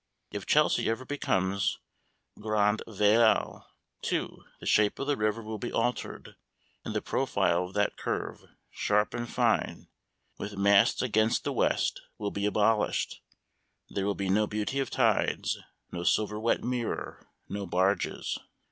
If Chelsea ever becomes grande ville too, the shape of the river will be altered, and the profile of that curve, sharp and fine with masts against the west will be abolished: there will be no beauty of tides, no silver wet mirror, no barges.